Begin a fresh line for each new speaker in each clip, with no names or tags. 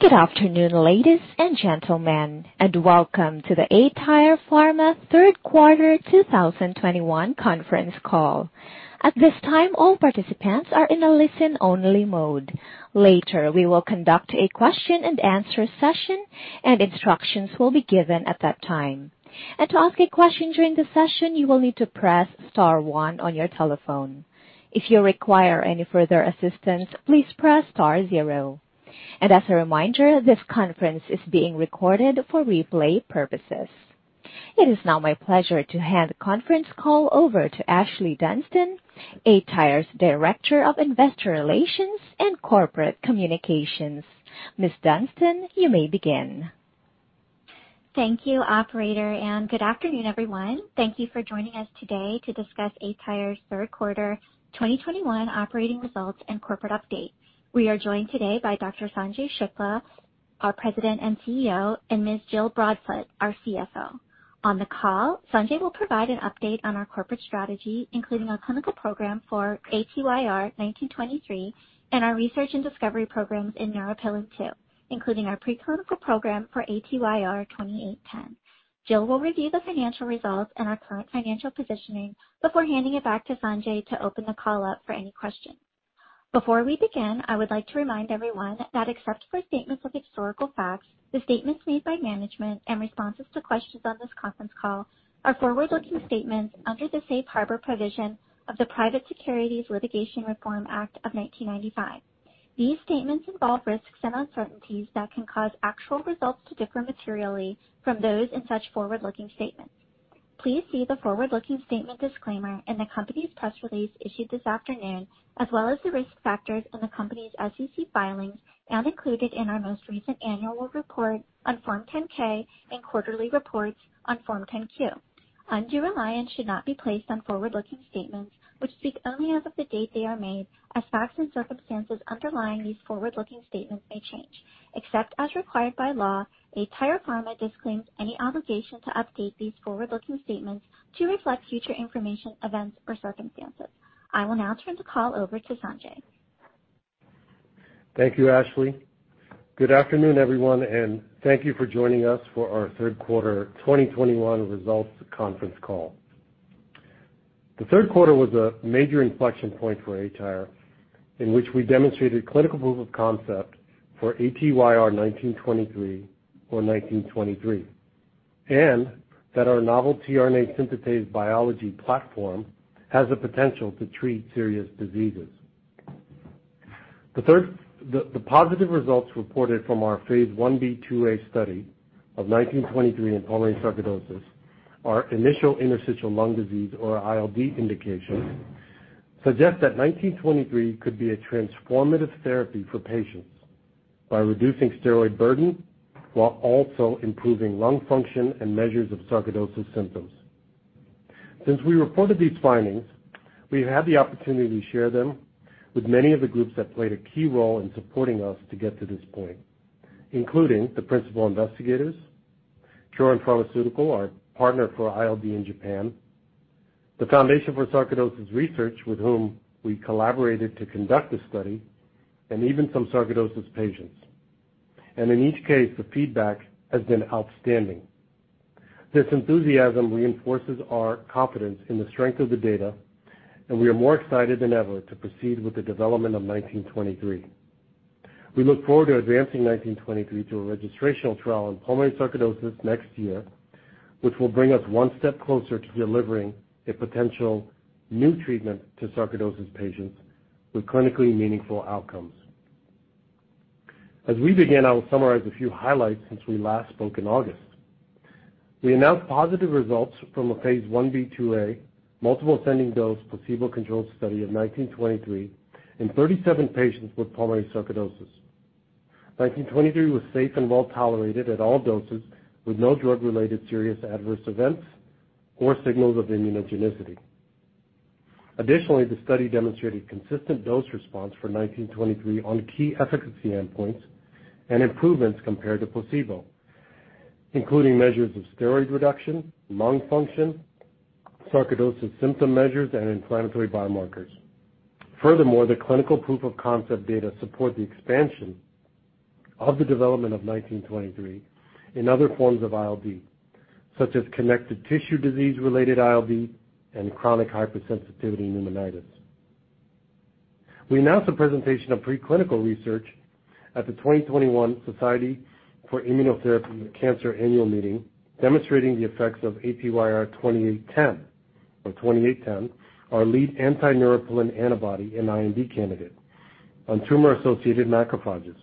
Good afternoon, ladies and gentlemen, and welcome to the aTyr Pharma third quarter 2021 conference call. At this time, all participants are in a listen-only mode. Later, we will conduct a question-and-answer session and instructions will be given at that time. To ask a question during the session, you will need to press star one on your telephone. If you require any further assistance, please press star zero. As a reminder, this conference is being recorded for replay purposes. It is now my pleasure to hand the conference call over to Ashlee Dunston, aTyr's Director of Investor Relations and Corporate Communications. Ms. Dunston, you may begin.
Thank you, operator, and good afternoon, everyone. Thank you for joining us today to discuss aTyr's third quarter 2021 operating results and corporate update. We are joined today by Dr. Sanjay Shukla, our President and CEO, and Ms. Jill Broadfoot, our CFO. On the call, Sanjay will provide an update on our corporate strategy, including our clinical program for ATYR1923 and our research and discovery programs in Neuropilin-2, including our preclinical program for ATYR2810. Jill will review the financial results and our current financial positioning before handing it back to Sanjay to open the call up for any questions. Before we begin, I would like to remind everyone that except for statements of historical facts, the statements made by management and responses to questions on this conference call are forward-looking statements under the Safe Harbor provision of the Private Securities Litigation Reform Act of 1995. These statements involve risks and uncertainties that can cause actual results to differ materially from those in such forward-looking statements. Please see the forward-looking statement disclaimer in the company's press release issued this afternoon, as well as the risk factors in the company's SEC filings now included in our most recent annual report on Form 10-K and quarterly reports on Form 10-Q. Undue reliance should not be placed on forward-looking statements, which speak only as of the date they are made as facts and circumstances underlying these forward-looking statements may change. Except as required by law, aTyr Pharma disclaims any obligation to update these forward-looking statements to reflect future information, events, or circumstances. I will now turn the call over to Sanjay.
Thank you, Ashlee. Good afternoon, everyone, and thank you for joining us for our third quarter 2021 results conference call. The third quarter was a major inflection point for aTyr in which we demonstrated clinical proof of concept for ATYR1923 or 1923, and that our novel tRNA synthetase biology platform has the potential to treat serious diseases. The positive results reported from our phase I-B/II-A study of 1923 in pulmonary sarcoidosis, our initial ILD indication, suggest that 1923 could be a transformative therapy for patients by reducing steroid burden while also improving lung function and measures of sarcoidosis symptoms. Since we reported these findings, we've had the opportunity to share them with many of the groups that played a key role in supporting us to get to this point, including the principal investigators, Kyorin Pharmaceutical, our partner for ILD in Japan, the Foundation for Sarcoidosis Research, with whom we collaborated to conduct this study, and even some sarcoidosis patients. In each case, the feedback has been outstanding. This enthusiasm reinforces our confidence in the strength of the data, and we are more excited than ever to proceed with the development of 1923. We look forward to advancing 1923 to a registrational trial in pulmonary sarcoidosis next year, which will bring us one step closer to delivering a potential new treatment to sarcoidosis patients with clinically meaningful outcomes. As we begin, I will summarize a few highlights since we last spoke in August. We announced positive results from a phase I-B/II-A multiple ascending dose placebo-controlled study of ATYR1923 in 37 patients with pulmonary sarcoidosis. ATYR1923 was safe and well-tolerated at all doses, with no drug-related serious adverse events or signals of immunogenicity. Additionally, the study demonstrated consistent dose response for ATYR1923 on key efficacy endpoints and improvements compared to placebo, including measures of steroid reduction, lung function, sarcoidosis symptom measures, and inflammatory biomarkers. Furthermore, the clinical proof of concept data support the expansion of the development of ATYR1923 in other forms of ILD, such as connective tissue disease-related ILD and chronic hypersensitivity pneumonitis. We announced the presentation of preclinical research at the 2021 Society for Immunotherapy of Cancer Annual Meeting, demonstrating the effects of ATYR2810 or 2810, our lead anti-neuropilin-2 antibody and IND candidate on tumor-associated macrophages.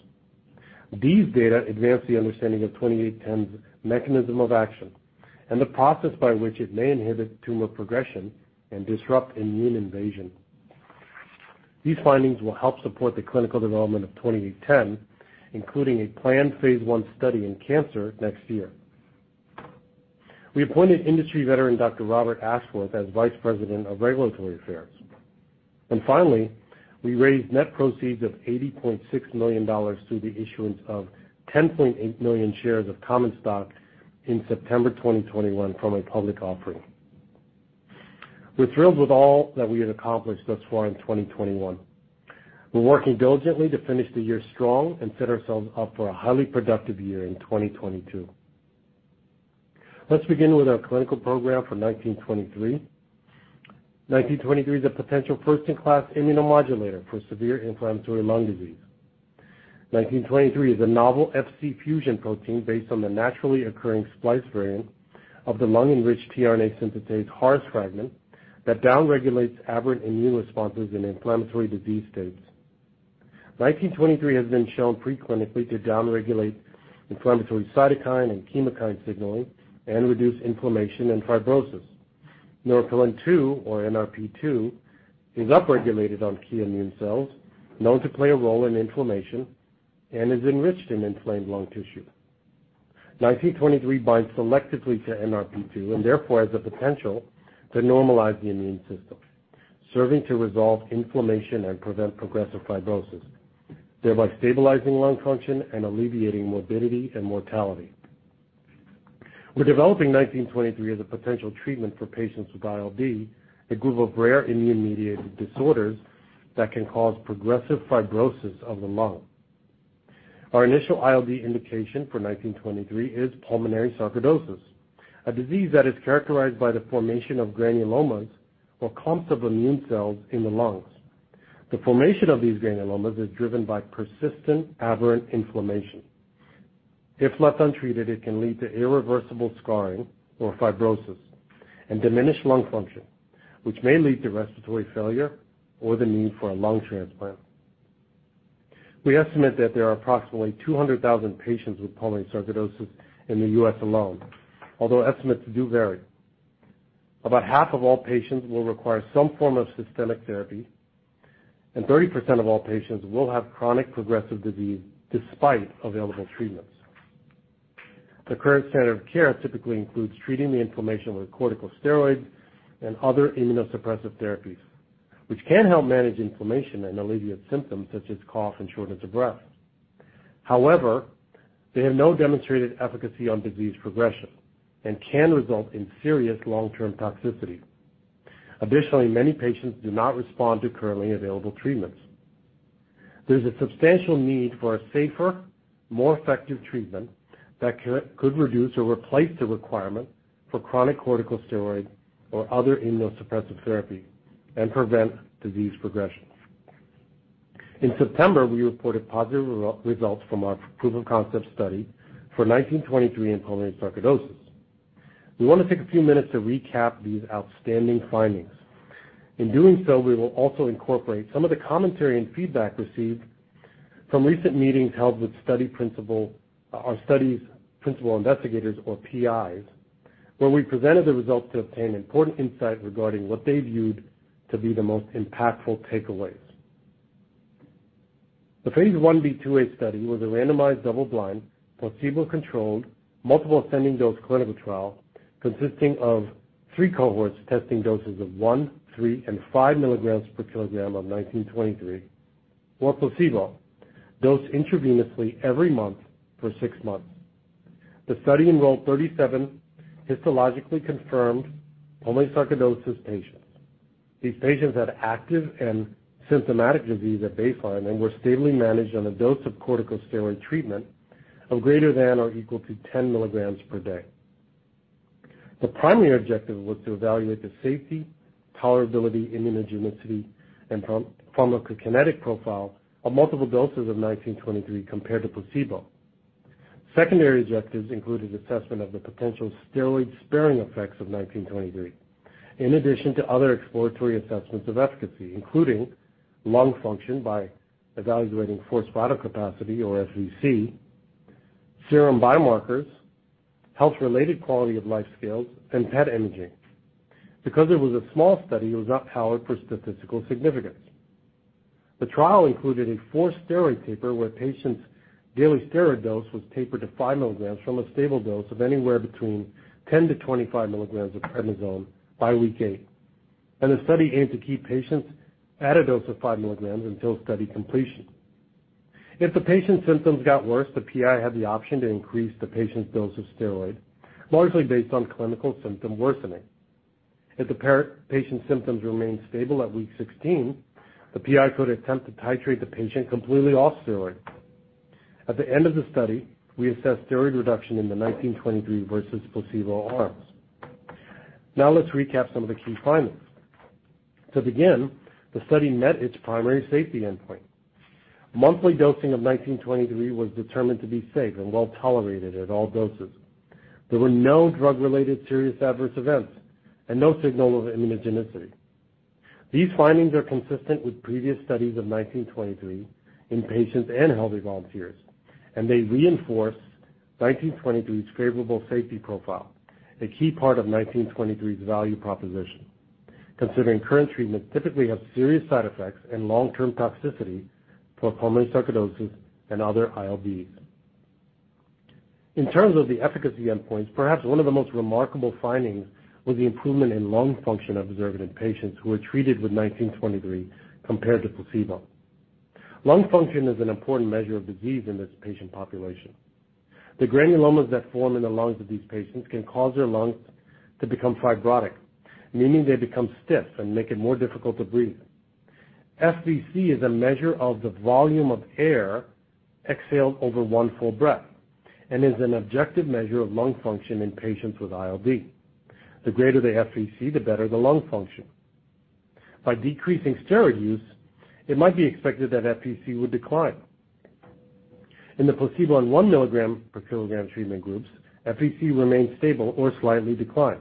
These data advance the understanding of ATYR2810's mechanism of action and the process by which it may inhibit tumor progression and disrupt immune invasion. These findings will help support the clinical development of ATYR2810, including a planned phase I study in cancer next year. We appointed industry veteran Dr. Robert Ashworth as Vice President of Regulatory Affairs. Finally, we raised net proceeds of $80.6 million through the issuance of 10.8 million shares of common stock in September 2021 from a public offering. We're thrilled with all that we have accomplished thus far in 2021. We're working diligently to finish the year strong and set ourselves up for a highly productive year in 2022. Let's begin with our clinical program for ATYR1923. ATYR1923 is a potential first-in-class immunomodulator for severe inflammatory lung disease. ATYR1923 is a novel Fc fusion protein based on the naturally occurring splice variant of the lung-enriched tRNA synthetase HARS fragment that down regulates aberrant immune responses in inflammatory disease states. ATYR1923 has been shown preclinically to down regulate inflammatory cytokine and chemokine signaling and reduce inflammation and fibrosis. Neuropilin-2 or NRP-2 is upregulated on key immune cells known to play a role in inflammation and is enriched in inflamed lung tissue. ATYR1923 binds selectively to NRP-2 and therefore has the potential to normalize the immune system, serving to resolve inflammation and prevent progressive fibrosis, thereby stabilizing lung function and alleviating morbidity and mortality. We're developing ATYR1923 as a potential treatment for patients with ILD, a group of rare immune-mediated disorders that can cause progressive fibrosis of the lung. Our initial ILD indication for 1923 is pulmonary sarcoidosis, a disease that is characterized by the formation of granulomas or clumps of immune cells in the lungs. The formation of these granulomas is driven by persistent aberrant inflammation. If left untreated, it can lead to irreversible scarring or fibrosis and diminished lung function, which may lead to respiratory failure or the need for a lung transplant. We estimate that there are approximately 200,000 patients with pulmonary sarcoidosis in the U.S. alone, although estimates do vary. About half of all patients will require some form of systemic therapy, and 30% of all patients will have chronic progressive disease despite available treatments. The current standard of care typically includes treating the inflammation with corticosteroids and other immunosuppressive therapies, which can help manage inflammation and alleviate symptoms such as cough and shortness of breath. However, they have no demonstrated efficacy on disease progression and can result in serious long-term toxicity. Additionally, many patients do not respond to currently available treatments. There's a substantial need for a safer, more effective treatment that could reduce or replace the requirement for chronic corticosteroids or other immunosuppressive therapy and prevent disease progression. In September, we reported positive results from our proof of concept study for 1923 in pulmonary sarcoidosis. We want to take a few minutes to recap these outstanding findings. In doing so, we will also incorporate some of the commentary and feedback received from recent meetings held with our studies' principal investigators, or PIs, where we presented the results to obtain important insight regarding what they viewed to be the most impactful takeaways. The phase I-B/II-A study was a randomized, double-blind, placebo-controlled, multiple ascending dose clinical trial consisting of three cohorts testing doses of 1 mg/kg, 3 mg/kg, and 5 mg/kg of 1923 or placebo, dosed intravenously every month for six months. The study enrolled 37 histologically confirmed pulmonary sarcoidosis patients. These patients had active and symptomatic disease at baseline and were stably managed on a dose of corticosteroid treatment of greater than or equal to 10 mg/day. The primary objective was to evaluate the safety, tolerability, immunogenicity, and pharmacokinetic profile of multiple doses of 1923 compared to placebo. Secondary objectives included assessment of the potential steroid-sparing effects of 1923, in addition to other exploratory assessments of efficacy, including lung function by evaluating forced vital capacity or FVC, serum biomarkers, health-related quality of life scales, and PET imaging. Because it was a small study, it was not powered for statistical significance. The trial included a forced steroid taper, where patients' daily steroid dose was tapered to 5 mg from a stable dose of anywhere between 10 mg-25 mg of prednisone by week eight, and the study aimed to keep patients at a dose of 5 mg until study completion. If the patient's symptoms got worse, the PI had the option to increase the patient's dose of steroid, largely based on clinical symptom worsening. If the patient's symptoms remained stable at week 16, the PI could attempt to titrate the patient completely off steroid. At the end of the study, we assessed steroid reduction in the 1923 versus placebo arms. Now let's recap some of the key findings. To begin, the study met its primary safety endpoint. Monthly dosing of 1923 was determined to be safe and well-tolerated at all doses. There were no drug-related serious adverse events and no signal of immunogenicity. These findings are consistent with previous studies of 1923 in patients and healthy volunteers, and they reinforce 1923's favorable safety profile, a key part of 1923's value proposition, considering current treatments typically have serious side effects and long-term toxicity for pulmonary sarcoidosis and other ILDs. In terms of the efficacy endpoints, perhaps one of the most remarkable findings was the improvement in lung function observed in patients who were treated with 1923 compared to placebo. Lung function is an important measure of disease in this patient population. The granulomas that form in the lungs of these patients can cause their lungs to become fibrotic, meaning they become stiff and make it more difficult to breathe. FVC is a measure of the volume of air exhaled over one full breath and is an objective measure of lung function in patients with ILD. The greater the FVC, the better the lung function. By decreasing steroid use, it might be expected that FVC would decline. In the placebo and 1 mg/kg treatment groups, FVC remained stable or slightly declined.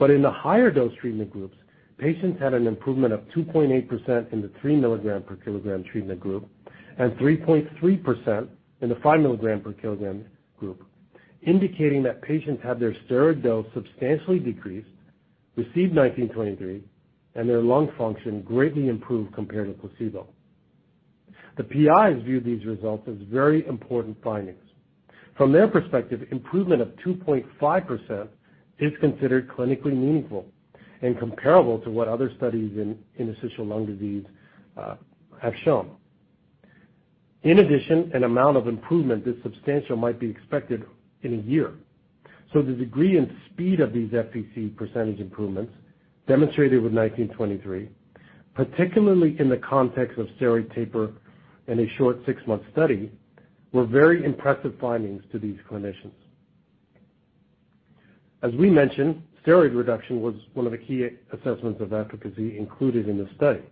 In the higher dose treatment groups, patients had an improvement of 2.8% in the 3 mg/kg treatment group and 3.3% in the 5 mg/kg group, indicating that patients had their steroid dose substantially decreased, received ATYR1923, and their lung function greatly improved compared to placebo. The PIs viewed these results as very important findings. From their perspective, improvement of 2.5% is considered clinically meaningful and comparable to what other studies in interstitial lung disease have shown. In addition, an amount of improvement this substantial might be expected in a year. The degree and speed of these FVC percentage improvements demonstrated with 1923, particularly in the context of steroid taper and a short six-month study, were very impressive findings to these clinicians. As we mentioned, steroid reduction was one of the key assessments of efficacy included in this study.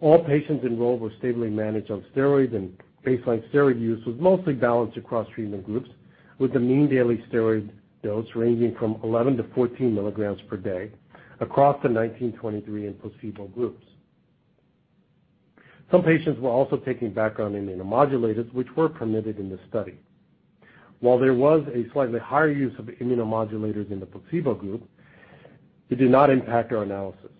All patients enrolled were stably managed on steroids, and baseline steroid use was mostly balanced across treatment groups, with the mean daily steroid dose ranging from 11 mg-14 mg per day across the 1923 and placebo groups. Some patients were also taking background immunomodulators which were permitted in this study. While there was a slightly higher use of immunomodulators in the placebo group, it did not impact our analysis.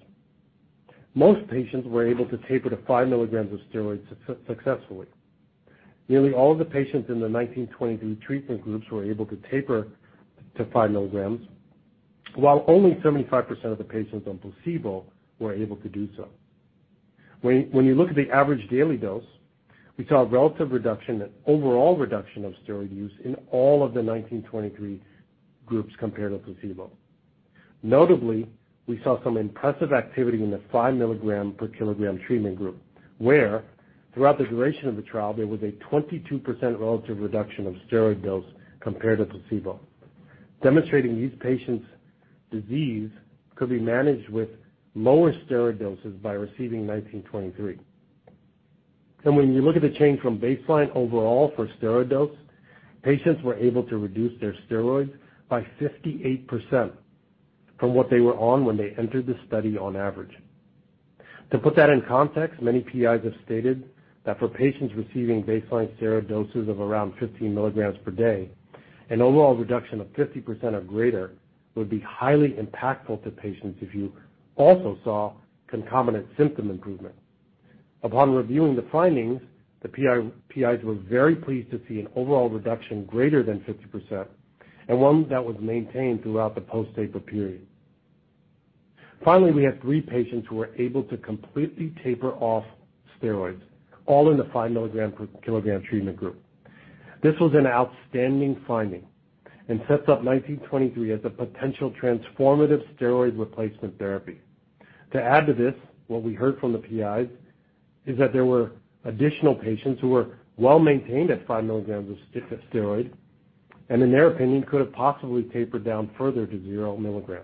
Most patients were able to taper to 5 mg of steroids successfully. Nearly all of the patients in the ATYR1923 treatment groups were able to taper to 5 mg, while only 75% of the patients on placebo were able to do so. When you look at the average daily dose, we saw a relative reduction and overall reduction of steroid use in all of the ATYR1923 groups compared to placebo. Notably, we saw some impressive activity in the 5 mg/kg treatment group, where throughout the duration of the trial there was a 22% relative reduction of steroid dose compared to placebo, demonstrating these patients' disease could be managed with lower steroid doses by receiving ATYR1923. When you look at the change from baseline overall for steroid dose, patients were able to reduce their steroids by 58% from what they were on when they entered the study on average. To put that in context, many PIs have stated that for patients receiving baseline steroid doses of around 15 mg per day, an overall reduction of 50% or greater would be highly impactful to patients if you also saw concomitant symptom improvement. Upon reviewing the findings, the PIs were very pleased to see an overall reduction greater than 50% and one that was maintained throughout the post-taper period. Finally, we had three patients who were able to completely taper off steroids, all in the 5 mg/kg treatment group. This was an outstanding finding and sets up ATYR1923 as a potential transformative steroid replacement therapy. To add to this, what we heard from the PIs is that there were additional patients who were well-maintained at 5 mg of steroid and in their opinion, could have possibly tapered down further to 0 mg.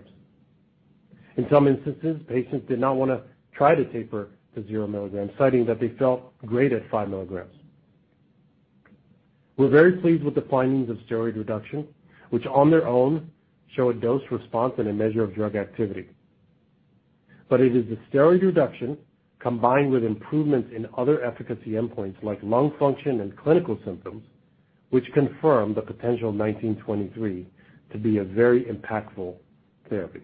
In some instances, patients did not wanna try to taper to 0 mg, citing that they felt great at 5 mg. We're very pleased with the findings of steroid reduction, which on their own show a dose response and a measure of drug activity. It is the steroid reduction combined with improvements in other efficacy endpoints like lung function and clinical symptoms, which confirm the potential of ATYR1923 to be a very impactful therapy.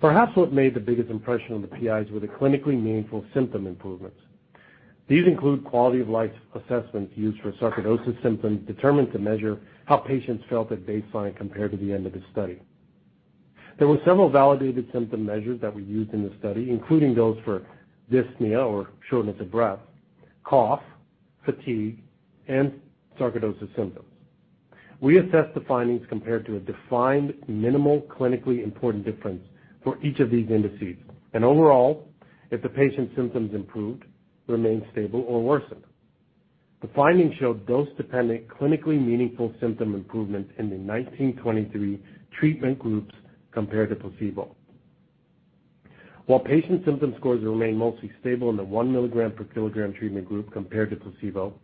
Perhaps what made the biggest impression on the PIs were the clinically meaningful symptom improvements. These include quality of life assessments used for sarcoidosis symptoms determined to measure how patients felt at baseline compared to the end of the study. There were several validated symptom measures that we used in the study, including those for dyspnea or shortness of breath, cough, fatigue, and sarcoidosis symptoms. We assessed the findings compared to a defined minimal clinically important difference for each of these indices. Overall, if the patient's symptoms improved, remained stable or worsened. The findings showed dose-dependent clinically meaningful symptom improvement in the ATYR1923 treatment groups compared to placebo. While patient symptom scores remained mostly stable in the 1 mg/kg treatment group compared to placebo,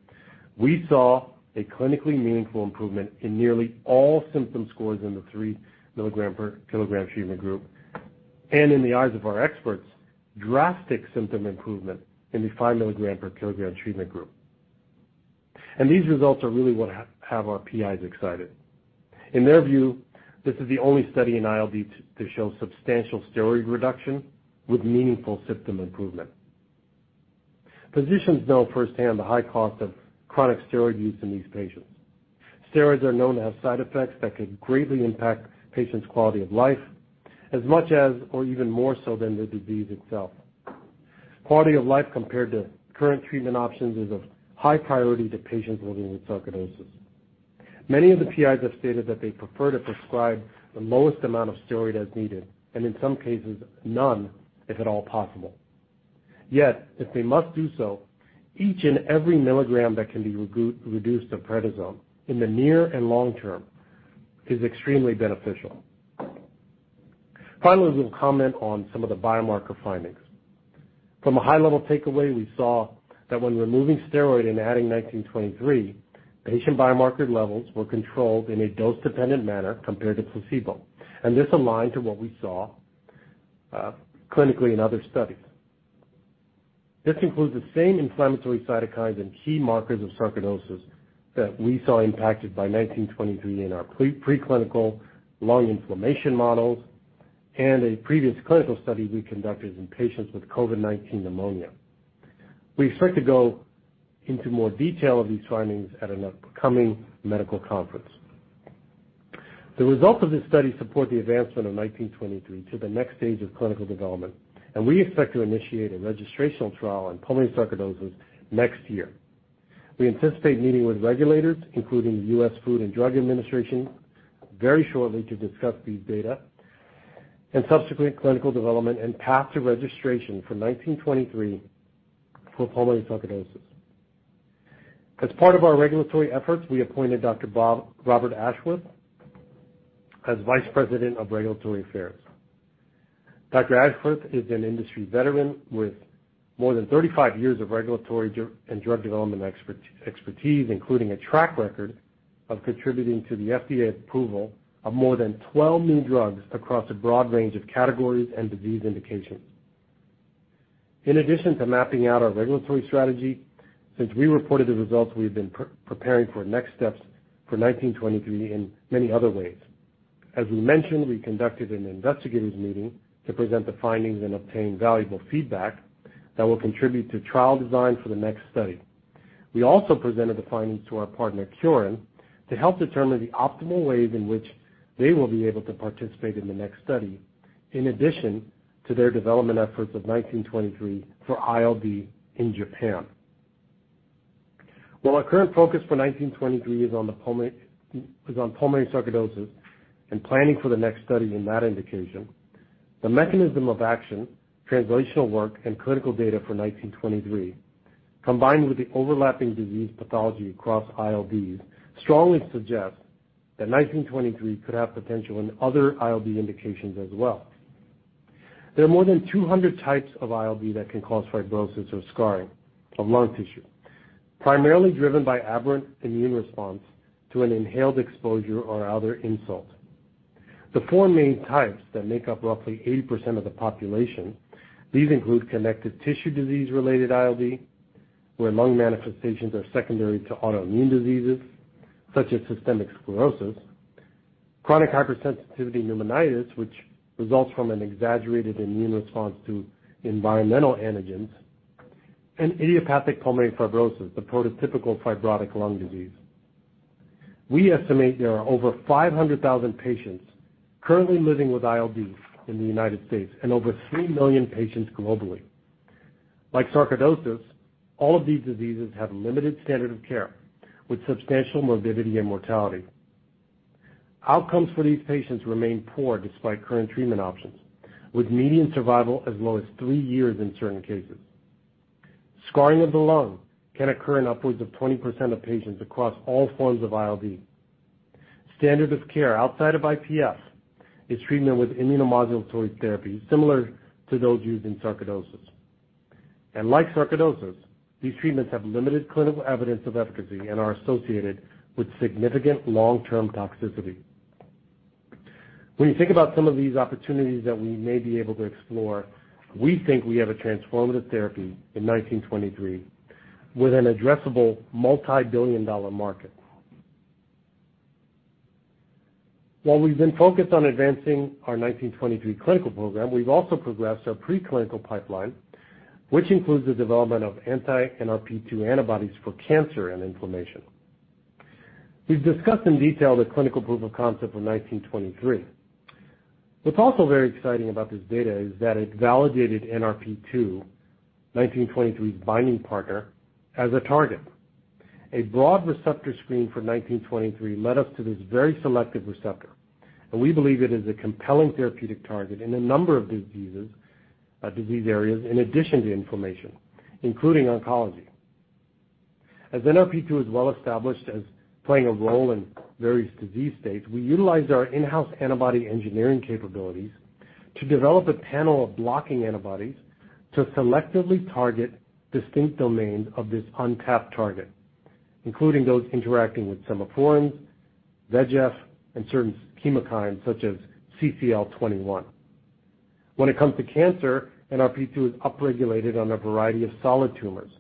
we saw a clinically meaningful improvement in nearly all symptom scores in the 3 mg/kg treatment group and in the eyes of our experts, drastic symptom improvement in the 5 mg/kg treatment group. These results are really what have our PIs excited. In their view, this is the only study in ILD to show substantial steroid reduction with meaningful symptom improvement. Physicians know firsthand the high cost of chronic steroid use in these patients. Steroids are known to have side effects that could greatly impact patients' quality of life as much as or even more so than the disease itself. Quality of life compared to current treatment options is of high priority to patients living with sarcoidosis. Many of the PIs have stated that they prefer to prescribe the lowest amount of steroid as needed, and in some cases, none if at all possible. Yet, if they must do so, each and every milligram that can be reduced of prednisone in the near and long term is extremely beneficial. Finally, we'll comment on some of the biomarker findings. From a high-level takeaway, we saw that when removing steroid and adding 1923, patient biomarker levels were controlled in a dose-dependent manner compared to placebo, and this aligned to what we saw clinically in other studies. This includes the same inflammatory cytokines and key markers of sarcoidosis that we saw impacted by 1923 in our preclinical lung inflammation models and a previous clinical study we conducted in patients with COVID-19 pneumonia. We expect to go into more detail of these findings at an upcoming medical conference. The results of this study support the advancement of 1923 to the next stage of clinical development, and we expect to initiate a registrational trial on pulmonary sarcoidosis next year. We anticipate meeting with regulators, including U.S. Food and Drug Administration, very shortly to discuss these data and subsequent clinical development and path to registration for ATYR1923 for pulmonary sarcoidosis. As part of our regulatory efforts, we appointed Dr. Robert Ashworth as Vice President of Regulatory Affairs. Dr. Ashworth is an industry veteran with more than 35 years of regulatory and drug development expertise, including a track record of contributing to the FDA approval of more than 12 new drugs across a broad range of categories and disease indications. In addition to mapping out our regulatory strategy, since we reported the results, we've been preparing for next steps for ATYR1923 in many other ways. As we mentioned, we conducted an investigators meeting to present the findings and obtain valuable feedback that will contribute to trial design for the next study. We also presented the findings to our partner, Kyorin, to help determine the optimal ways in which they will be able to participate in the next study in addition to their development efforts of 1923 for ILD in Japan. While our current focus for 1923 is on pulmonary sarcoidosis and planning for the next study in that indication, the mechanism of action, translational work, and clinical data for 1923, combined with the overlapping disease pathology across ILDs, strongly suggest that 1923 could have potential in other ILD indications as well. There are more than 200 types of ILD that can cause fibrosis or scarring of lung tissue, primarily driven by aberrant immune response to an inhaled exposure or other insult. The four main types that make up roughly 80% of the population, these include connective tissue disease-related ILD, where lung manifestations are secondary to autoimmune diseases such as systemic sclerosis, chronic hypersensitivity pneumonitis, which results from an exaggerated immune response to environmental antigens, and idiopathic pulmonary fibrosis, the prototypical fibrotic lung disease. We estimate there are over 500,000 patients currently living with ILDs in the United States and over 3 million patients globally. Like sarcoidosis, all of these diseases have limited standard of care with substantial morbidity and mortality. Outcomes for these patients remain poor despite current treatment options, with median survival as low as three years in certain cases. Scarring of the lung can occur in upwards of 20% of patients across all forms of ILD. Standard of care outside of IPF is treatment with immunomodulatory therapies similar to those used in sarcoidosis. Like sarcoidosis, these treatments have limited clinical evidence of efficacy and are associated with significant long-term toxicity. When you think about some of these opportunities that we may be able to explore, we think we have a transformative therapy in 1923 with an addressable multibillion-dollar market. While we've been focused on advancing our 1923 clinical program, we've also progressed our preclinical pipeline, which includes the development of anti-NRP-2 antibodies for cancer and inflammation. We've discussed in detail the clinical proof of concept of 1923. What's also very exciting about this data is that it validated NRP-2, 1923's binding partner, as a target. A broad receptor screen for 1923 led us to this very selective receptor, and we believe it is a compelling therapeutic target in a number of diseases, disease areas in addition to inflammation, including oncology. As NRP-2 is well established as playing a role in various disease states, we utilized our in-house antibody engineering capabilities to develop a panel of blocking antibodies to selectively target distinct domains of this untapped target, including those interacting with semaphorins, VEGF, and certain chemokines such as CCL21. When it comes to cancer, NRP-2 is upregulated on a variety of solid tumors,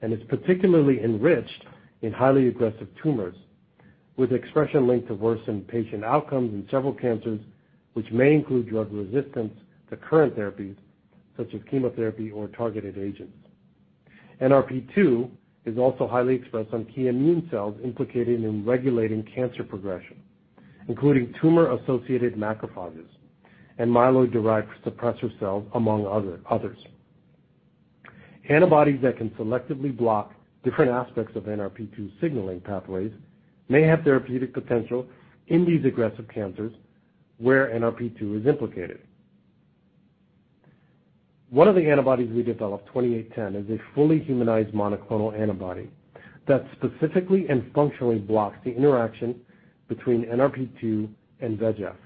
and it's particularly enriched in highly aggressive tumors with expression linked to worsened patient outcomes in several cancers, which may include drug resistance to current therapies such as chemotherapy or targeted agents. NRP-2 is also highly expressed on key immune cells implicated in regulating cancer progression, including tumor-associated macrophages and myeloid-derived suppressor cells, among others. Antibodies that can selectively block different aspects of NRP-2 signaling pathways may have therapeutic potential in these aggressive cancers where NRP-2 is implicated. One of the antibodies we developed, ATYR2810, is a fully humanized monoclonal antibody that specifically and functionally blocks the interaction between NRP-2 and VEGF.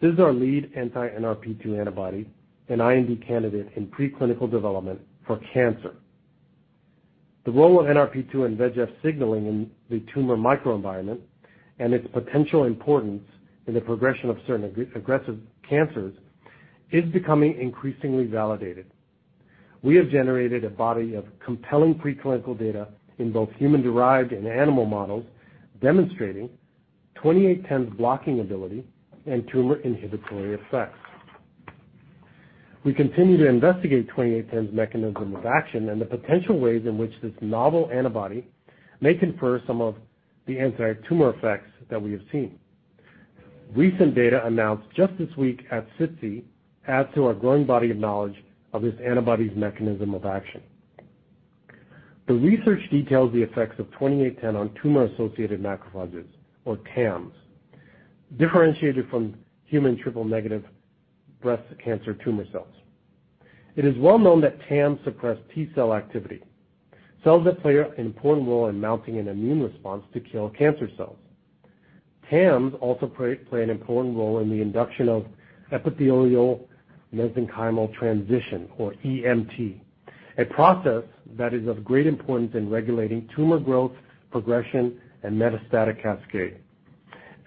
This is our lead anti-NRP-2 antibody and IND candidate in preclinical development for cancer. The role of NRP-2 and VEGF signaling in the tumor microenvironment and its potential importance in the progression of certain aggressive cancers is becoming increasingly validated. We have generated a body of compelling preclinical data in both human-derived and animal models, demonstrating ATYR2810's blocking ability and tumor inhibitory effects. We continue to investigate ATYR2810's mechanism of action and the potential ways in which this novel antibody may confer some of the antitumor effects that we have seen. Recent data announced just this week at SITC add to our growing body of knowledge of this antibody's mechanism of action. The research details the effects of ATYR2810 on tumor-associated macrophages, or TAMs, differentiated from human triple-negative breast cancer tumor cells. It is well known that TAMs suppress T-cell activity, cells that play an important role in mounting an immune response to kill cancer cells. TAMs also play an important role in the induction of epithelial-mesenchymal transition, or EMT, a process that is of great importance in regulating tumor growth, progression, and metastatic cascade,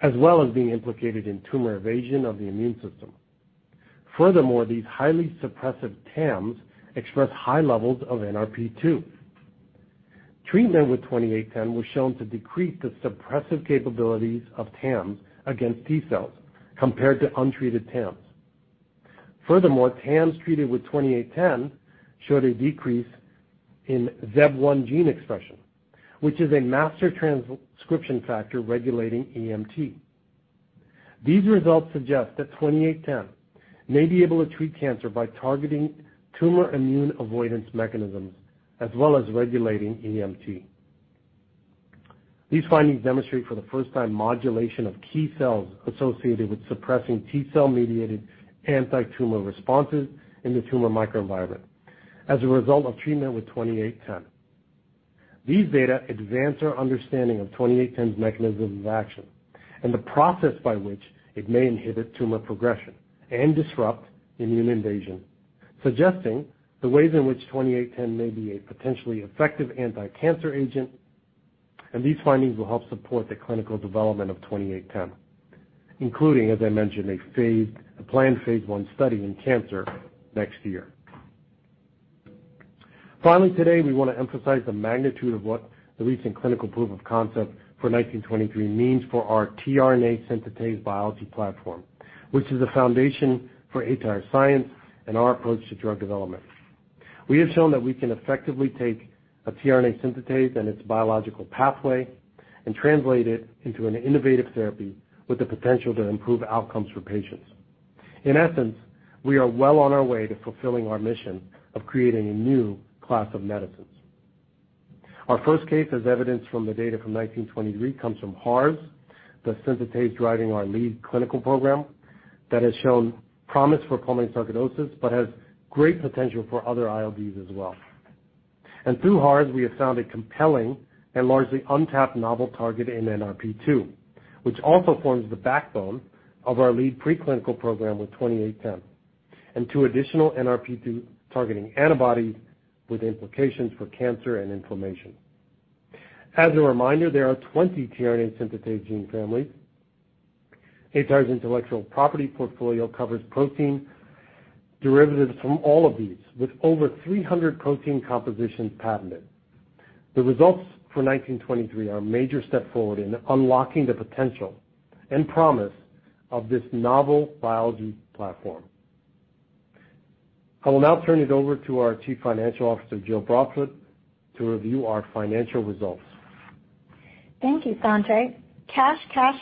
as well as being implicated in tumor evasion of the immune system. Furthermore, these highly suppressive TAMs express high levels of NRP-2. Treatment with ATYR2810 was shown to decrease the suppressive capabilities of TAMs against T-cells compared to untreated TAMs. Furthermore, TAMs treated with ATYR2810 showed a decrease in ZEB1 gene expression, which is a master transcription factor regulating EMT. These results suggest that ATYR2810 may be able to treat cancer by targeting tumor immune avoidance mechanisms, as well as regulating EMT. These findings demonstrate for the first time modulation of key cells associated with suppressing T-cell mediated antitumor responses in the tumor microenvironment as a result of treatment with ATYR2810. These data advance our understanding of ATYR2810's mechanism of action and the process by which it may inhibit tumor progression and disrupt immune invasion, suggesting the ways in which ATYR2810 may be a potentially effective anticancer agent, and these findings will help support the clinical development of ATYR2810, including, as I mentioned, a planned phase I study in cancer next year. Finally, today, we wanna emphasize the magnitude of what the recent clinical proof of concept for ATYR1923 means for our tRNA synthetase biology platform, which is the foundation for aTyr science and our approach to drug development. We have shown that we can effectively take a tRNA synthetase and its biological pathway and translate it into an innovative therapy with the potential to improve outcomes for patients. In essence, we are well on our way to fulfilling our mission of creating a new class of medicines. Our first case, as evidenced from the data from ATYR1923, comes from HARS, the synthetase driving our lead clinical program that has shown promise for pulmonary sarcoidosis, but has great potential for other ILDs as well. Through HARS, we have found a compelling and largely untapped novel target in NRP-2, which also forms the backbone of our lead preclinical program with ATYR2810 and two additional NRP-2 targeting antibodies with implications for cancer and inflammation. As a reminder, there are 20 tRNA synthetase gene families. aTyr's intellectual property portfolio covers protein derivatives from all of these, with over 300 protein compositions patented. The results for ATYR1923 are a major step forward in unlocking the potential and promise of this novel biology platform. I will now turn it over to our Chief Financial Officer, Jill Broadfoot, to review our financial results.
Thank you, Sanjay. Cash, cash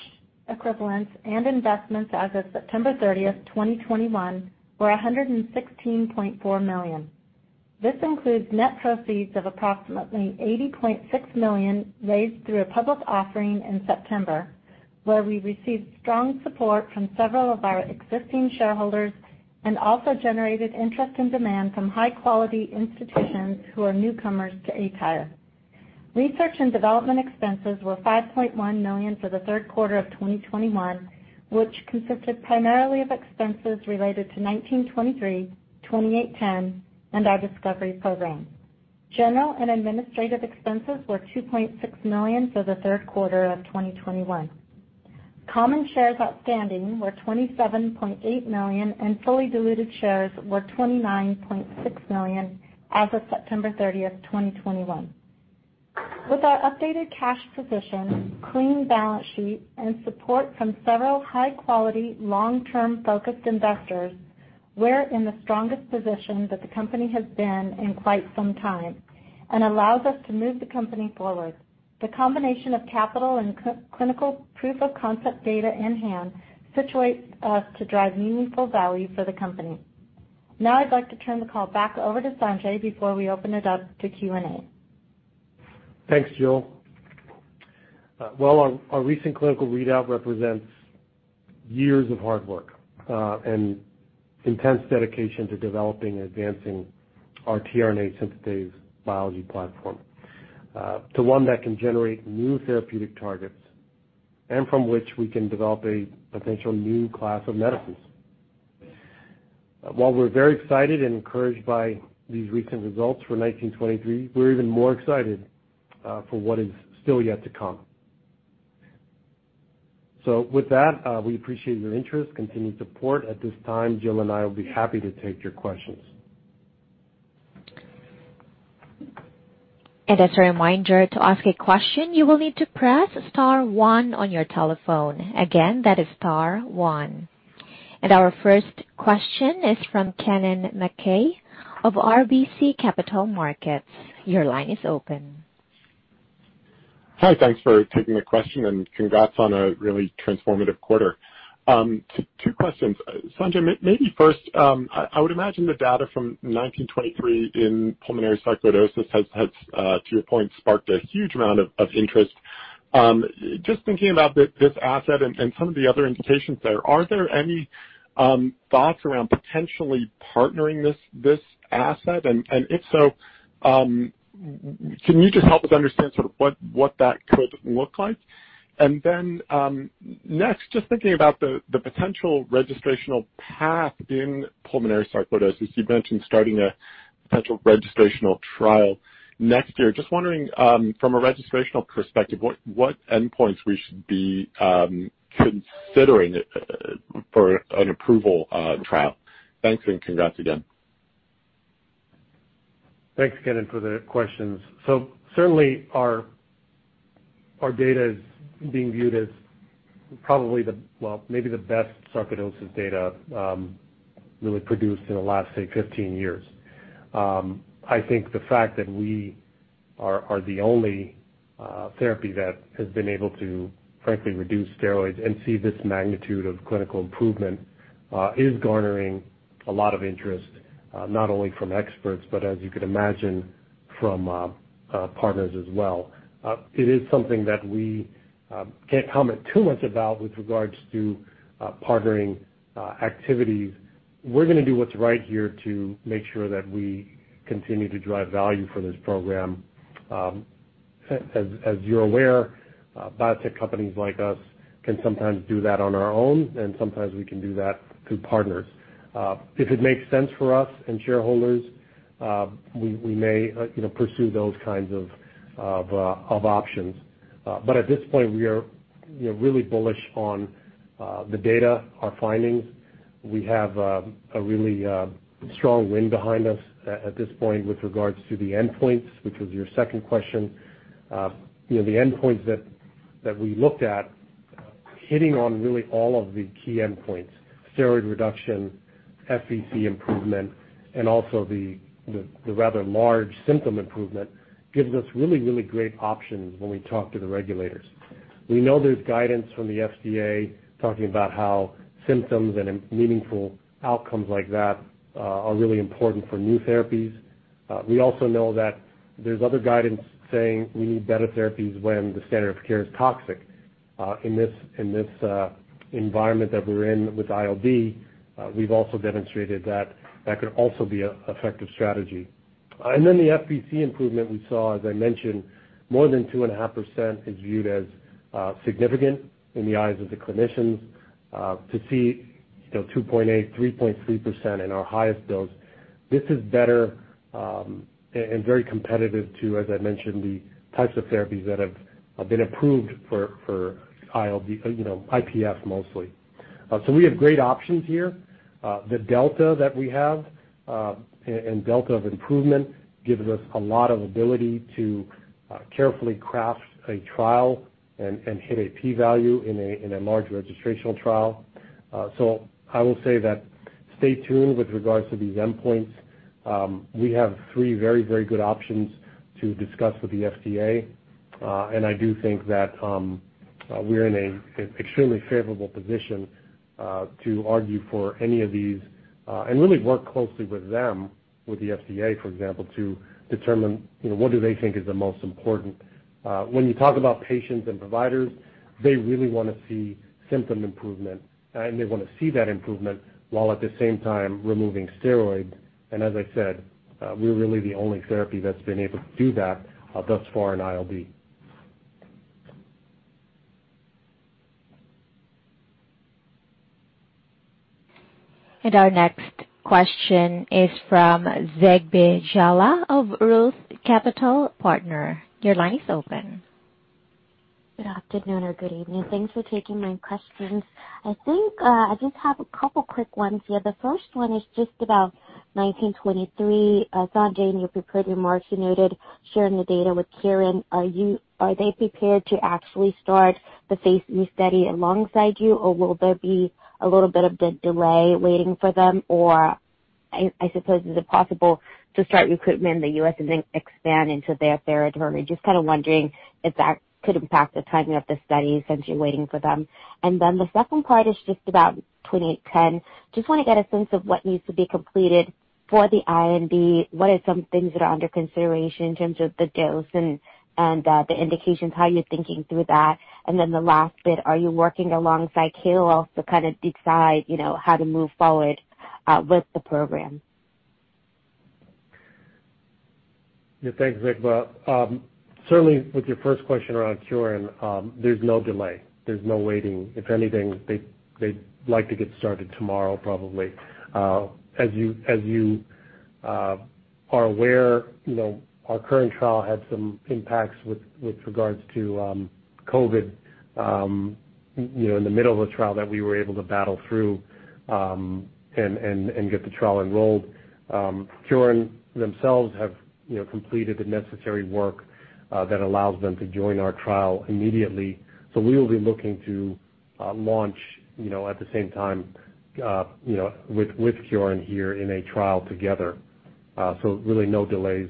equivalents, and investments as of September 30, 2021 were $116.4 million. This includes net proceeds of approximately $80.6 million raised through a public offering in September, where we received strong support from several of our existing shareholders and also generated interest and demand from high-quality institutions who are newcomers to aTyr. Research and development expenses were $5.1 million for the third quarter of 2021, which consisted primarily of expenses related to ATYR1923, ATYR2810, and our discovery program. General and administrative expenses were $2.6 million for the third quarter of 2021. Common shares outstanding were 27.8 million, and fully diluted shares were 29.6 million as of September 30, 2021. With our updated cash position, clean balance sheet, and support from several high-quality, long-term focused investors, we're in the strongest position that the company has been in quite some time and allows us to move the company forward. The combination of capital and clinical proof of concept data in hand situates us to drive meaningful value for the company. Now I'd like to turn the call back over to Sanjay before we open it up to Q&A.
Thanks, Jill. Well, our recent clinical readout represents years of hard work and intense dedication to developing and advancing our tRNA synthetase biology platform to one that can generate new therapeutic targets and from which we can develop a potential new class of medicines. While we're very excited and encouraged by these recent results for 1923, we're even more excited for what is still yet to come. With that, we appreciate your interest, continued support. At this time, Jill and I will be happy to take your questions.
As a reminder, to ask a question, you will need to press star one on your telephone. Again, that is star one. Our first question is from Kennen MacKay of RBC Capital Markets. Your line is open.
Hi. Thanks for taking the question, and congrats on a really transformative quarter. Two questions. Sanjay, maybe first, I would imagine the data from 1923 in pulmonary sarcoidosis has, to your point, sparked a huge amount of interest. Just thinking about this asset and some of the other indications there, are there any thoughts around potentially partnering this asset? And if so, can you just help us understand sort of what that could look like? And then, next, just thinking about the potential registrational path in pulmonary sarcoidosis, you've mentioned starting a potential registrational trial next year. Just wondering, from a registrational perspective, what endpoints we should be considering for an approval trial. Thanks, and congrats again.
Thanks again for the questions. Certainly our data is being viewed as probably the, well, maybe the best sarcoidosis data really produced in the last, say, 15 years. I think the fact that we are the only therapy that has been able to, frankly, reduce steroids and see this magnitude of clinical improvement is garnering a lot of interest not only from experts, but as you can imagine, from partners as well. It is something that we can't comment too much about with regards to partnering activities. We're gonna do what's right here to make sure that we continue to drive value for this program. As you're aware, biotech companies like us can sometimes do that on our own, and sometimes we can do that through partners. If it makes sense for us and shareholders, we may, you know, pursue those kinds of options. At this point, we are, you know, really bullish on the data, our findings. We have a really strong wind behind us at this point with regards to the endpoints, which was your second question. You know, the endpoints that we looked at hitting on really all of the key endpoints, steroid reduction, FVC improvement, and also the rather large symptom improvement gives us really great options when we talk to the regulators. We know there's guidance from the FDA talking about how symptoms and meaningful outcomes like that are really important for new therapies. We also know that there's other guidance saying we need better therapies when the standard of care is toxic. In this environment that we're in with ILD, we've also demonstrated that could also be an effective strategy. The FVC improvement we saw, as I mentioned, more than 2.5% is viewed as significant in the eyes of the clinicians. To see, you know, 2.8%, 3.3% in our highest dose, this is better, and very competitive to, as I mentioned, the types of therapies that have been approved for ILD, you know, IPF mostly. We have great options here. The delta that we have, and delta of improvement gives us a lot of ability to carefully craft a trial and hit a P value in a large registrational trial. I will say that stay tuned with regards to these endpoints. We have three very good options to discuss with the FDA, and I do think that we're in an extremely favorable position to argue for any of these, and really work closely with them with the FDA, for example, to determine, you know, what do they think is the most important. When you talk about patients and providers, they really wanna see symptom improvement, and they wanna see that improvement while at the same time removing steroids. As I said, we're really the only therapy that's been able to do that thus far in ILD.
Our next question is from Zegbeh Jallah of ROTH Capital Partners. Your line is open.
Good afternoon or good evening. Thanks for taking my questions. I think I just have a couple quick ones here. The first one is just about 1923. Sanjay, in your prepared remarks, you noted sharing the data with Kyorin. Are they prepared to actually start the phase B study alongside you, or will there be a little bit of a delay waiting for them? Or I suppose, is it possible to start recruitment in the U.S. and then expand into their territory? Just kind of wondering if that could impact the timing of the study since you're waiting for them. Then the second part is just about 2810. Just wanna get a sense of what needs to be completed for the IND, what are some things that are under consideration in terms of the dose and the indications, how you're thinking through that. Then the last bit, are you working alongside Cal also to kind of decide, you know, how to move forward with the program?
Yeah. Thanks, Zegbeh. Certainly with your first question around Kyorin, there's no delay. There's no waiting. If anything, they'd like to get started tomorrow, probably. As you are aware, you know, our current trial had some impacts with regards to COVID, you know, in the middle of a trial that we were able to battle through and get the trial enrolled. Kyorin themselves have, you know, completed the necessary work that allows them to join our trial immediately. So we will be looking to launch, you know, at the same time, you know, with Kyorin here in a trial together. So really no delays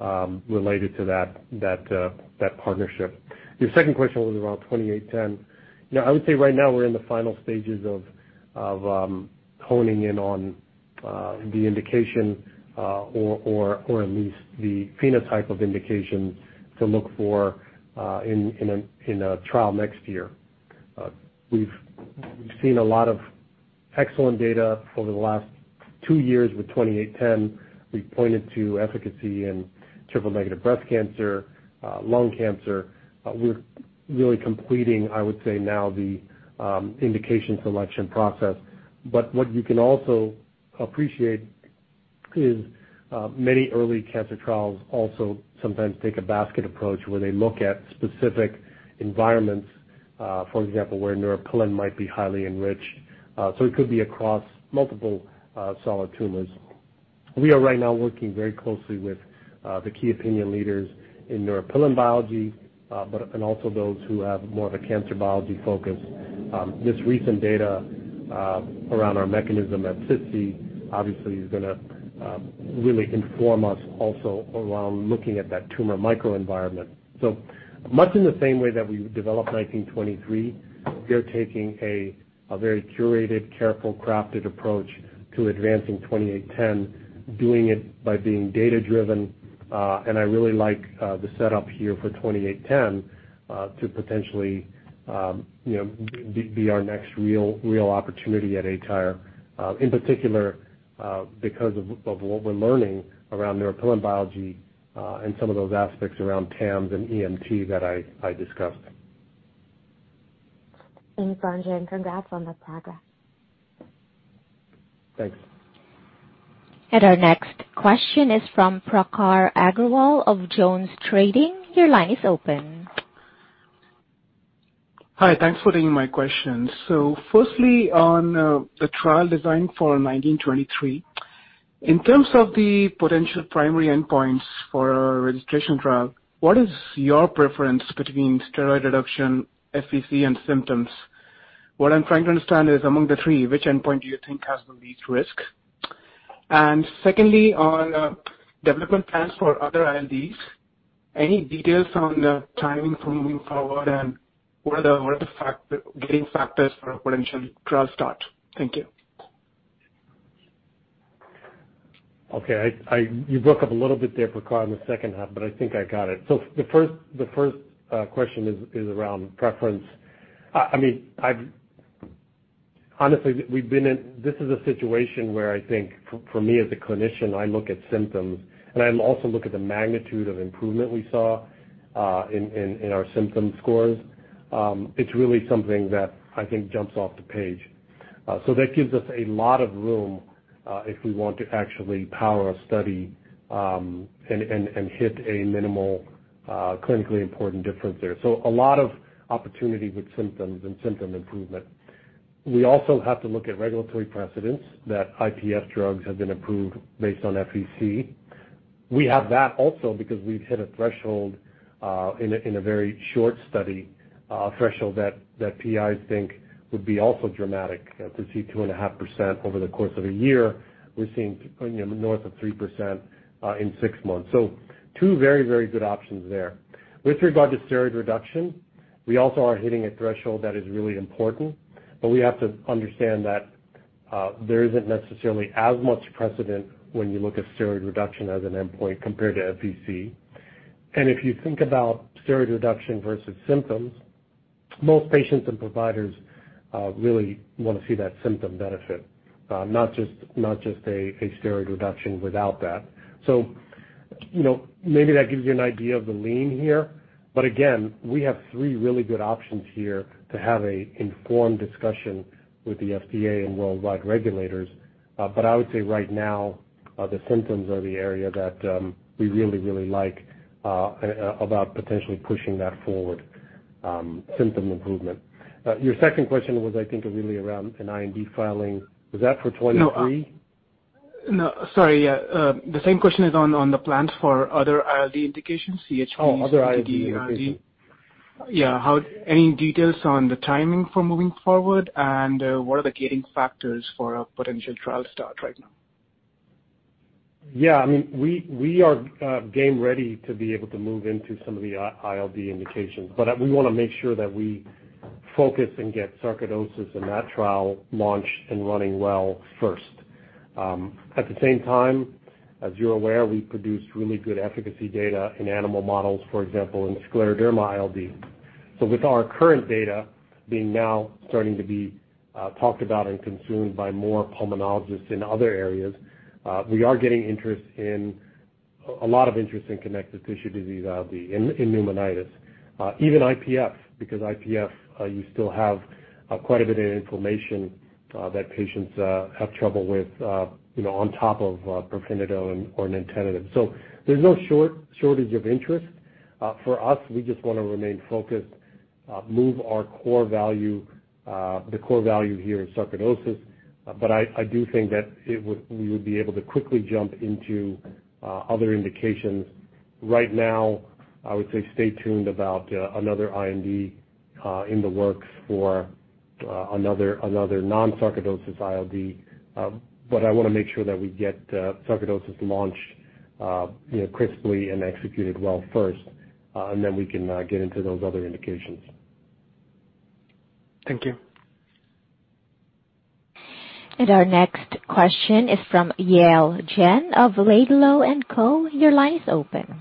related to that partnership. Your second question was around ATYR2810. You know, I would say right now we're in the final stages of honing in on the indication or at least the phenotype of indications to look for in a trial next year. We've seen a lot of excellent data over the last two years with 2810. We've pointed to efficacy in triple-negative breast cancer, lung cancer. We're really completing, I would say now the indication selection process. What you can also appreciate is many early cancer trials also sometimes take a basket approach where they look at specific environments, for example, where neuropilin might be highly enriched. So it could be across multiple solid tumors. We are right now working very closely with the key opinion leaders in neuropilin biology, but also those who have more of a cancer biology focus. This recent data around our mechanism at SITC obviously is gonna really inform us also around looking at that tumor microenvironment. Much in the same way that we developed 1923, we're taking a very curated, careful, crafted approach to advancing 2810, doing it by being data-driven. I really like the setup here for 2810 to potentially you know be our next real opportunity at aTyr, in particular because of what we're learning around neuropilin biology, and some of those aspects around TAMs and EMT that I discussed.
Thanks, Sanjay, and congrats on the progress.
Thanks.
Our next question is from Prakhar Agrawal of JonesTrading. Your line is open.
Hi. Thanks for taking my questions. Firstly, on the trial design for 1923. In terms of the potential primary endpoints for a registration trial, what is your preference between steroid reduction, FVC, and symptoms? What I'm trying to understand is among the three, which endpoint do you think has the least risk? Secondly, on development plans for other INDs, any details on the timing for moving forward and what are the factors for a potential trial start? Thank you.
Okay. You broke up a little bit there, Prakhar, in the second half, but I think I got it. The first question is around preference. I mean, honestly, this is a situation where I think for me as a clinician, I look at symptoms, and I also look at the magnitude of improvement we saw in our symptom scores. It's really something that I think jumps off the page. That gives us a lot of room if we want to actually power a study and hit a minimal clinically important difference there. A lot of opportunity with symptoms and symptom improvement. We also have to look at regulatory precedents that IPF drugs have been approved based on FVC. We have that also because we've hit a threshold in a very short study, a threshold that PIs think would be also dramatic to see 2.5% over the course of a year. We're seeing, you know, north of 3% in six months. Two very, very good options there. With regard to steroid reduction, we also are hitting a threshold that is really important, but we have to understand that there isn't necessarily as much precedent when you look at steroid reduction as an endpoint compared to FVC. If you think about steroid reduction versus symptoms, most patients and providers really wanna see that symptom benefit, not just a steroid reduction without that. You know, maybe that gives you an idea of the lean here. Again, we have three really good options here to have an informed discussion with the FDA and worldwide regulators. I would say right now the symptoms are the area that we really like about potentially pushing that forward, symptom improvement. Your second question was, I think, really around an IND filing. Was that for 23?
No. Sorry, yeah. The same question is on the plans for other ILD indications, CHPs-
Oh, other ILD indications.
Yeah. Any details on the timing for moving forward, and what are the gating factors for a potential trial start right now?
Yeah. I mean, we are game ready to be able to move into some of the ILD indications. We want to make sure that we focus and get sarcoidosis and that trial launched and running well first. At the same time, as you're aware, we produced really good efficacy data in animal models, for example, in scleroderma ILD. With our current data being now starting to be talked about and consumed by more pulmonologists in other areas, we are getting a lot of interest in connective tissue disease ILD, in pneumonitis, even IPF, because IPF you still have quite a bit of inflammation that patients have trouble with, you know, on top of pirfenidone or nintedanib. There's no shortage of interest. For us, we just wanna remain focused, move our core value, the core value here is sarcoidosis. I do think that we would be able to quickly jump into other indications. Right now, I would say stay tuned about another IND in the works for another non-sarcoidosis ILD. I wanna make sure that we get sarcoidosis launched, you know, crisply and executed well first, and then we can get into those other indications.
Thank you.
Our next question is from Yale Jen of Laidlaw & Company. Your line is open.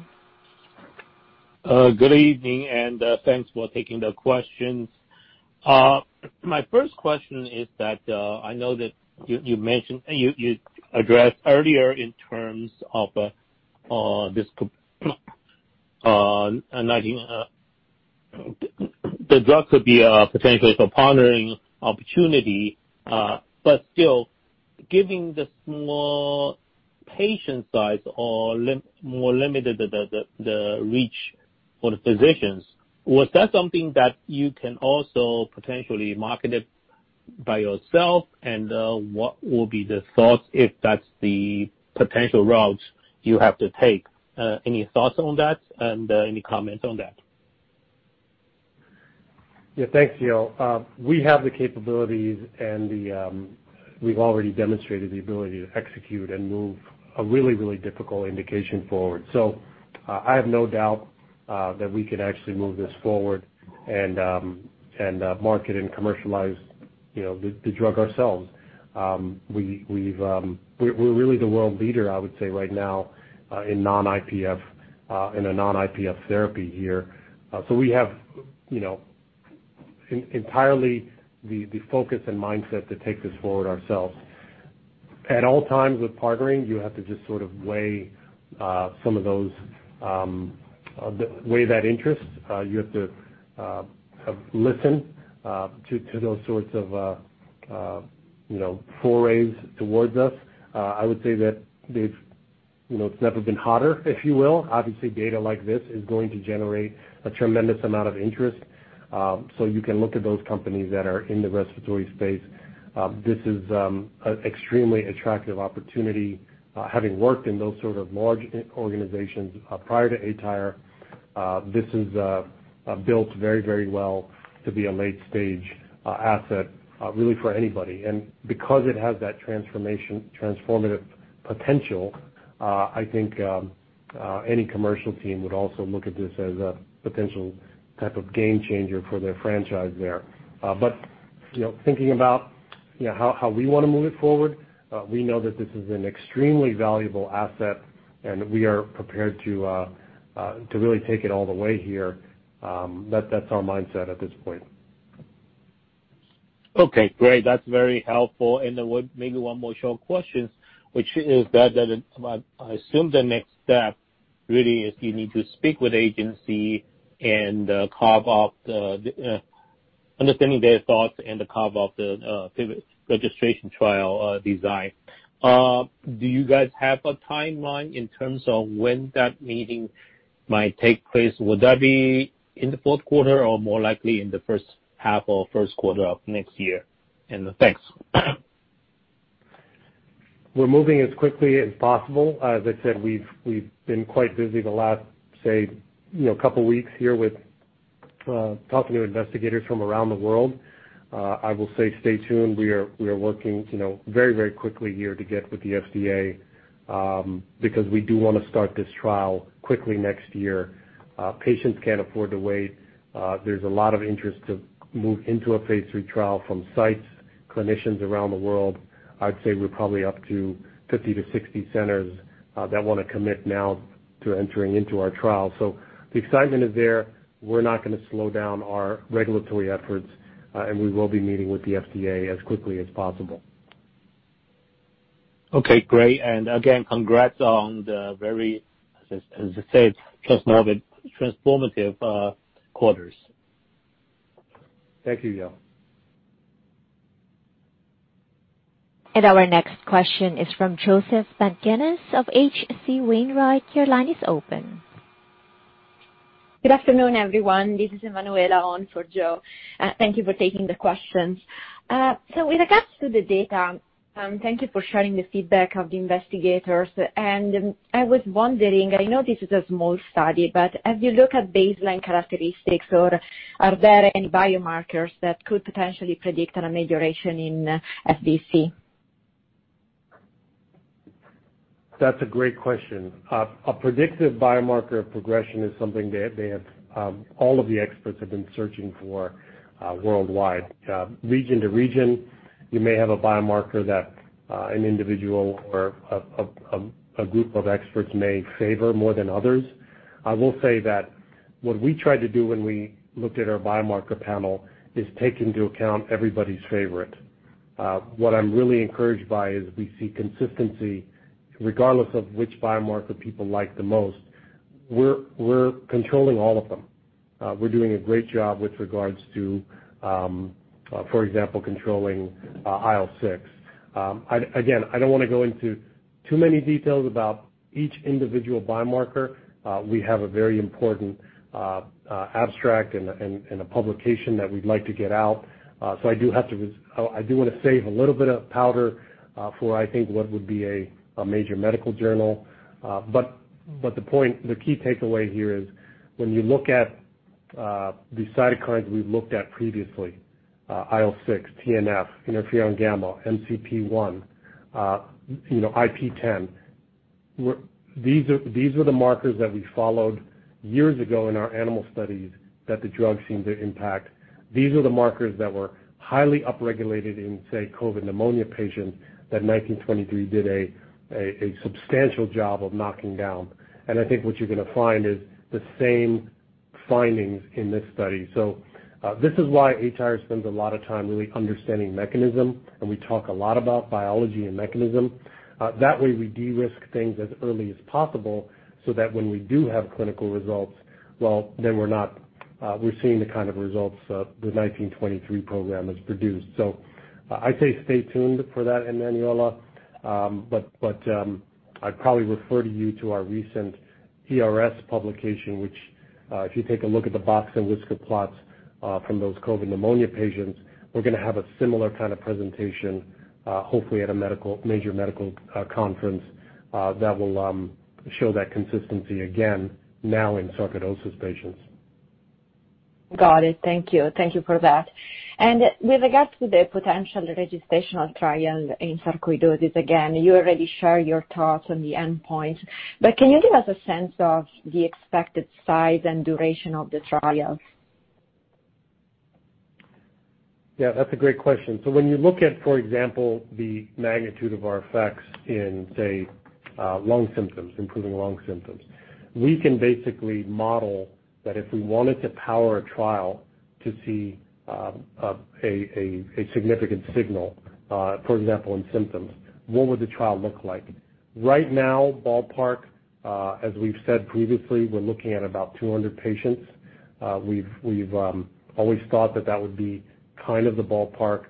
Good evening, and thanks for taking the questions. My first question is that I know that you mentioned and you addressed earlier in terms of, and I think the drug could be potentially for partnering opportunity, but still, given the small patient size or more limited reach for the physicians, was that something that you can also potentially market it by yourself? What will be the thoughts if that's the potential route you have to take? Any thoughts on that and any comments on that?
Yeah. Thanks, Yale. We have the capabilities and we've already demonstrated the ability to execute and move a really difficult indication forward. I have no doubt that we can actually move this forward and market and commercialize, you know, the drug ourselves. We're really the world leader, I would say, right now in non-IPF in a non-IPF therapy here. We have, you know, entirely the focus and mindset to take this forward ourselves. At all times with partnering, you have to just sort of weigh some of those, weigh that interest. You have to listen to those sorts of, you know, forays towards us. I would say that they've, you know, it's never been hotter, if you will. Obviously, data like this is going to generate a tremendous amount of interest. You can look at those companies that are in the respiratory space. This is an extremely attractive opportunity, having worked in those sort of large organizations prior to aTyr. This is built very, very well to be a late-stage asset, really for anybody. Because it has that transformative potential, I think any commercial team would also look at this as a potential type of game changer for their franchise there. You know, thinking about you know, how we wanna move it forward, we know that this is an extremely valuable asset and we are prepared to to really take it all the way here. That's our mindset at this point.
Okay, great. That's very helpful. Then one, maybe one more short question, which is that I assume the next step really is you need to speak with agency and carve out the understanding their thoughts and to carve out the pivotal registration trial design. Do you guys have a timeline in terms of when that meeting might take place? Will that be in the fourth quarter or more likely in the first half or first quarter of next year? Thanks.
We're moving as quickly as possible. As I said, we've been quite busy the last, say, you know, couple weeks here with talking to investigators from around the world. I will say stay tuned. We are working, you know, very, very quickly here to get with the FDA, because we do wanna start this trial quickly next year. Patients can't afford to wait. There's a lot of interest to move into a phase III trial from sites, clinicians around the world. I'd say we're probably up to 50-60 centers that wanna commit now to entering into our trial. The excitement is there. We're not gonna slow down our regulatory efforts, and we will be meeting with the FDA as quickly as possible.
Okay, great. Again, congrats on the very, as I said, transformative quarters.
Thank you, Yale.
Our next question is from Joseph Pantginis of HC Wainwright. Your line is open.
Good afternoon, everyone. This is Emanuela on for Joe. Thank you for taking the questions. So with regards to the data, thank you for sharing the feedback of the investigators. I was wondering, I know this is a small study, but as you look at baseline characteristics, or are there any biomarkers that could potentially predict an amelioration in FVC?
That's a great question. A predictive biomarker of progression is something they have all of the experts have been searching for worldwide. Region to region, you may have a biomarker that an individual or a group of experts may favor more than others. I will say that what we tried to do when we looked at our biomarker panel is take into account everybody's favorite. What I'm really encouraged by is we see consistency regardless of which biomarker people like the most. We're controlling all of them. We're doing a great job with regards to, for example, controlling IL-6. Again, I don't wanna go into too many details about each individual biomarker. We have a very important abstract and a publication that we'd like to get out. I do wanna save a little bit of powder for I think what would be a major medical journal. The point, the key takeaway here is when you look at the cytokines we've looked at previously, IL-6, TNF, interferon gamma, MCP-1, you know, IP-10, these are, these were the markers that we followed years ago in our animal studies that the drug seemed to impact. These are the markers that were highly upregulated in, say, COVID-19 pneumonia patients that 1923 did a substantial job of knocking down. I think what you're gonna find is the same findings in this study. This is why aTyr spends a lot of time really understanding mechanism, and we talk a lot about biology and mechanism. That way we de-risk things as early as possible so that when we do have clinical results, we're seeing the kind of results the 1923 program has produced. I'd say stay tuned for that, Emanuela. I'd probably refer you to our recent ERS publication, which if you take a look at the box and whisker plots from those COVID pneumonia patients, we're gonna have a similar kind of presentation hopefully at a major medical conference that will show that consistency again now in sarcoidosis patients.
Got it. Thank you. Thank you for that. With regards to the potential registrational trial in sarcoidosis, again, you already shared your thoughts on the endpoint, but can you give us a sense of the expected size and duration of the trial?
Yeah, that's a great question. So when you look at, for example, the magnitude of our effects in, say, lung symptoms, improving lung symptoms, we can basically model that if we wanted to power a trial to see a significant signal, for example, in symptoms, what would the trial look like? Right now, ballpark, as we've said previously, we're looking at about 200 patients. We've always thought that that would be kind of the ballpark,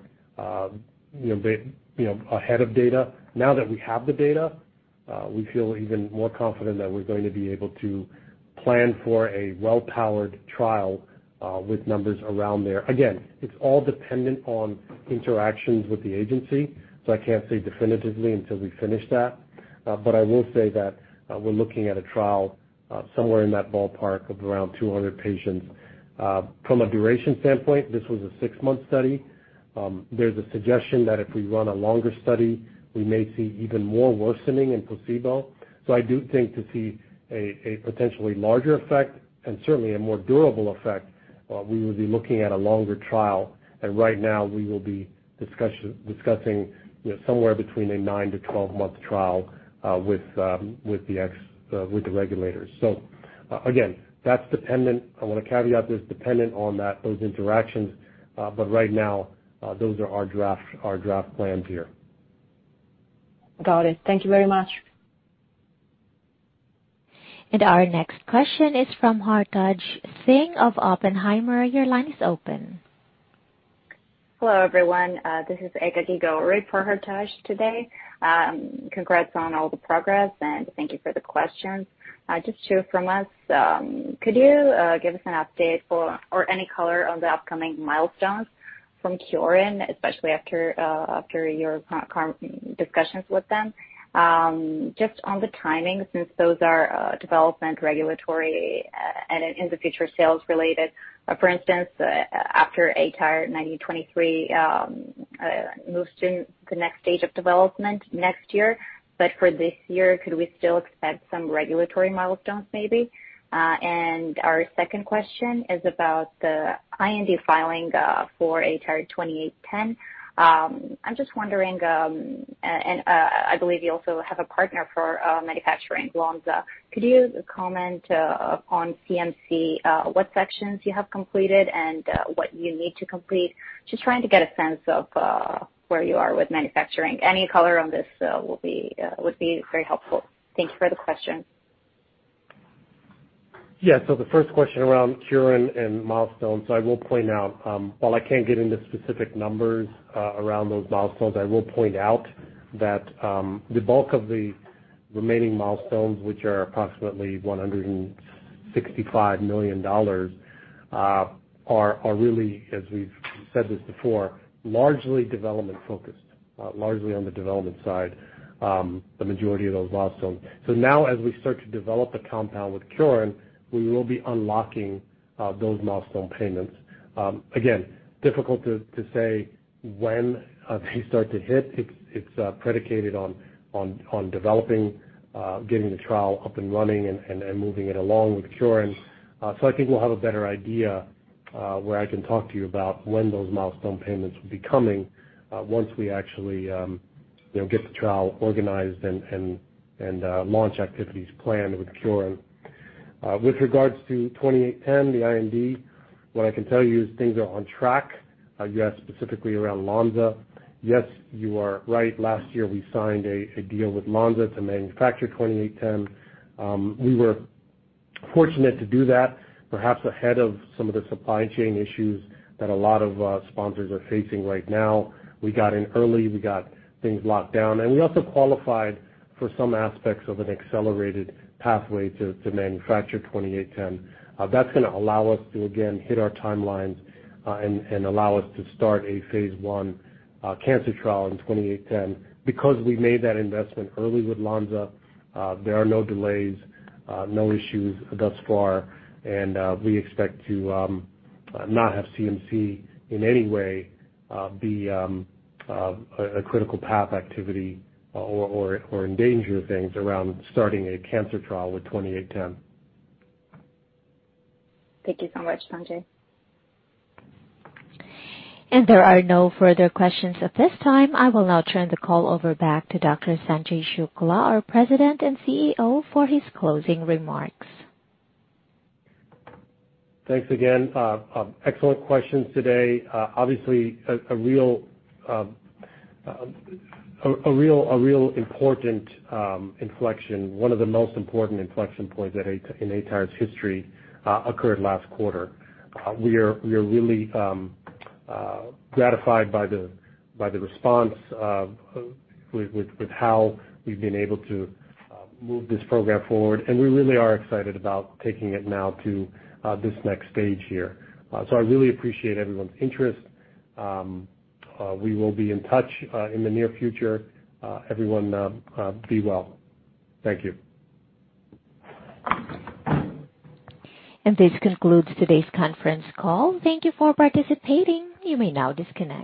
you know, ahead of data. Now that we have the data, we feel even more confident that we're going to be able to plan for a well-powered trial, with numbers around there. Again, it's all dependent on interactions with the agency, so I can't say definitively until we finish that. I will say that, we're looking at a trial somewhere in that ballpark of around 200 patients. From a duration standpoint, this was a six-month study. There's a suggestion that if we run a longer study, we may see even more worsening in placebo. I do think to see a potentially larger effect and certainly a more durable effect, we would be looking at a longer trial. Right now, we will be discussing, you know, somewhere between a nine- to 12-month trial with the regulators. Again, that's dependent, I want to caveat this, dependent on those interactions. Right now, those are our draft plans here.
Got it. Thank you very much.
Our next question is from Hartaj Singh of Oppenheimer. Your line is open.
Hello, everyone. This is Ekaghi Gowri for Hartaj today. Congrats on all the progress, and thank you for the questions. Just two from us. Could you give us an update or any color on the upcoming milestones from Kyorin, especially after your discussions with them? Just on the timing, since those are development, regulatory, and in the future, sales related. For instance, after aTyr 1923 moves to the next stage of development next year. For this year, could we still expect some regulatory milestones maybe? Our second question is about the IND filing for aTyr 2810. I'm just wondering, and I believe you also have a partner for manufacturing, Lonza. Could you comment on CMC, what sections you have completed and what you need to complete? Just trying to get a sense of where you are with manufacturing. Any color on this would be very helpful. Thank you for the question.
Yes. The first question around Kyorin and milestones, I will point out, while I can't get into specific numbers around those milestones, I will point out that the bulk of the remaining milestones, which are approximately $165 million, are really, as we've said this before, largely development-focused, largely on the development side, the majority of those milestones. Now as we start to develop a compound with Kyorin, we will be unlocking those milestone payments. Again, difficult to say when they start to hit. It's predicated on developing, getting the trial up and running and moving it along with Kyorin. I think we'll have a better idea where I can talk to you about when those milestone payments will be coming once we actually you know get the trial organized and launch activities planned with Kyorin. With regards to 2810, the IND, what I can tell you is things are on track. You asked specifically around Lonza. Yes, you are right. Last year, we signed a deal with Lonza to manufacture 2810. We were fortunate to do that perhaps ahead of some of the supply chain issues that a lot of sponsors are facing right now. We got in early, we got things locked down, and we also qualified for some aspects of an accelerated pathway to manufacture 2810. That's gonna allow us to again hit our timelines and allow us to start a phase I cancer trial in ATYR2810. Because we made that investment early with Lonza, there are no delays, no issues thus far, and we expect to not have CMC in any way be a critical path activity or endanger things around starting a cancer trial with ATYR2810.
Thank you so much, Sanjay.
There are no further questions at this time. I will now turn the call over back to Dr. Sanjay Shukla, our President and CEO, for his closing remarks.
Thanks again. Excellent questions today. Obviously a real important inflection. One of the most important inflection points at aTyr's history occurred last quarter. We are really gratified by the response with how we've been able to move this program forward, and we really are excited about taking it now to this next stage here. I really appreciate everyone's interest. We will be in touch in the near future. Everyone, be well. Thank you.
This concludes today's conference call. Thank you for participating. You may now disconnect.